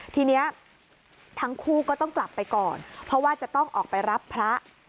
ทีนี้ทั้งคู่ก็ต้องกลับไปก่อนเพราะว่าจะต้องออกไปรับพระ